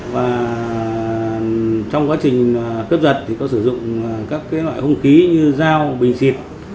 và trong quá trình cướp giật thì có sử dụng các loại hung khí như dao bình xịt